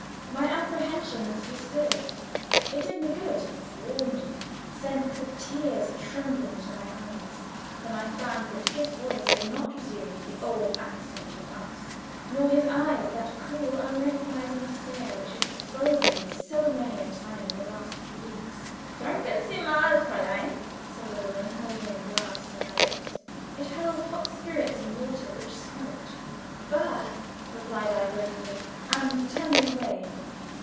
My apprehensions were stilled. It did me good, warmed me, sent the tears trembling to my eyes, when I found that his voice had not resumed the old accent of ice, nor his eyes that cool, unrecognizing stare which had frozen me so many a time in the last few weeks. "Trinken sie 'mal, Fräulein," said the woman, holding a glass to my lips; it held hot spirits and water, which smoked. "Bah!" replied I, gratefully, and turning away.